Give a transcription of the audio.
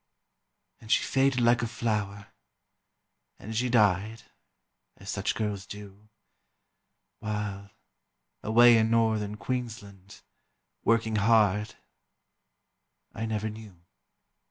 And she faded like a flower, And she died, as such girls do, While, away in Northern Queensland, Working hard, I never knew.